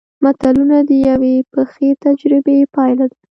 متلونه د یوې پخې تجربې پایله ده